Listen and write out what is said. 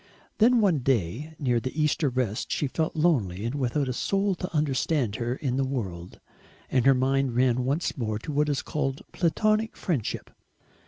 Then one day near the Easter rest she felt lonely and without a soul to understand her in the world, and her mind ran once more on what is called Platonic friendship.